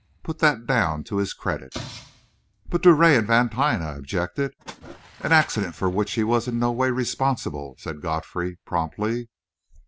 Put that down to his credit." "But Drouet and Vantine," I objected. "An accident for which he was in no way responsible," said Godfrey promptly.